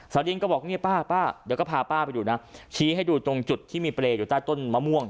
ดินก็บอกเนี่ยป้าป้าเดี๋ยวก็พาป้าไปดูนะชี้ให้ดูตรงจุดที่มีเปรย์อยู่ใต้ต้นมะม่วง